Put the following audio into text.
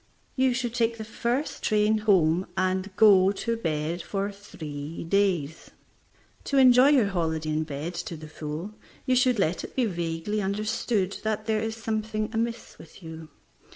You should take the first train home and go to bed for three days. To enjoy your holiday in bed to the full, you should let it be vaguely understood that there is something amiss with you.